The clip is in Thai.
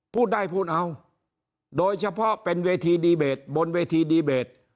พูดได้พูดเอาโดยเฉพาะเป็นเวทีดีเบตบนเวทีดีเบต